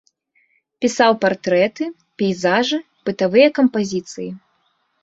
Пісаў партрэты, пейзажы, бытавыя кампазіцыі.